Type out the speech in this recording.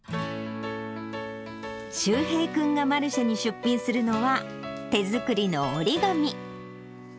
柊平君がマルシェに出品するのは、手作りの折り紙。